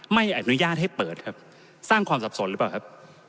ไม่อนุญาตให้เปิดครับสร้างความสับสนหรือเปล่าครับ